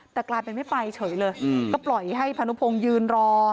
แต่กลายเป็นไม่ไปเฉยเลยก็ปล่อยให้พานุพงศ์ยืนรอ